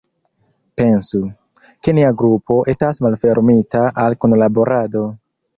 Pensu, ke nia grupo estas malfermita al kunlaborado.